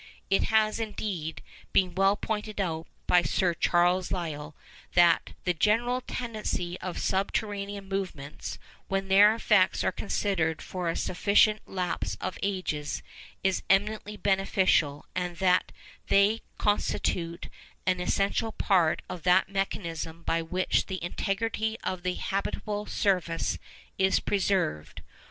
It has, indeed, been well pointed out by Sir Charles Lyell that 'the general tendency of subterranean movements, when their effects are considered for a sufficient lapse of ages, is eminently beneficial, and that they constitute an essential part of that mechanism by which the integrity of the habitable surface is preserved.